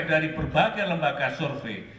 dari berbagai lembaga survei